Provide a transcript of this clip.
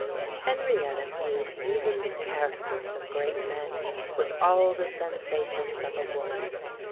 Henrietta viewed even the characters of great men with all the sensations of a woman.